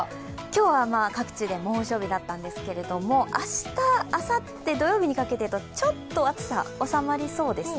今日は各地で猛暑日だったんですけれども、明日、あさって、土曜日にかけて、ちょっと暑さは収まりそうです。